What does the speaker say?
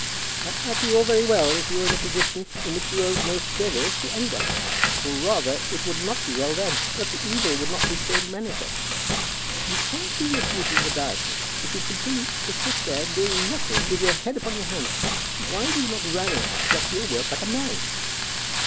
"That might be all very well if you were in a position in which you owed no service to any one; or, rather, it would not be well then, but the evil would not be so manifest. You cannot do your duty in the diocese if you continue to sit there doing nothing, with your head upon your hands. Why do you not rally, and get to your work like a man?"